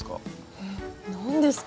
えっ何ですか？